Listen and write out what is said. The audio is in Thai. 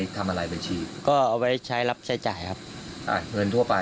พ่อมึงว่าไปตัดยาง